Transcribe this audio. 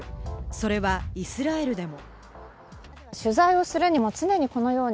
それはイスラエルでも。